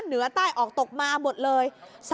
เหนือใต้ออกตกมาหมดเลย